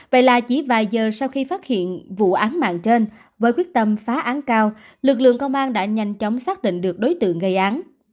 vậy là chỉ vài giờ sau khi phát hiện vụ án mạng trên với quyết tâm phá án cao lực lượng công an đã nhanh chóng xác định được đối tượng gây án